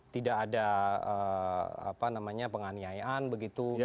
tidak ada penganiayaan begitu